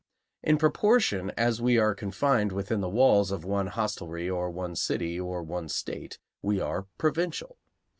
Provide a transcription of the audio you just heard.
In proportion as we are confined within the walls of one hostelry or one city or one state, we are provincial.